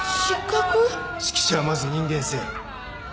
指揮者はまず人間性。